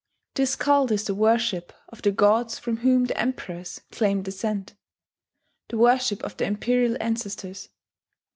This cult is the worship of the gods from whom the emperors claim descent, the worship of the "imperial ancestors."